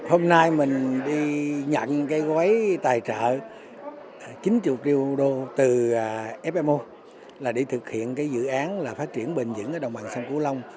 hôm nay mình đi nhận cái gói tài trợ chín triệu rưu đô từ fmo là để thực hiện cái dự án là phát triển bền dững ở đồng bằng sông cửu long